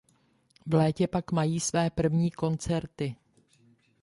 V létě pak mají své první koncerty.